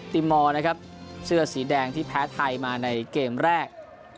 ติมอร์นะครับเสื้อสีแดงที่แพ้ไทยมาในเกมแรก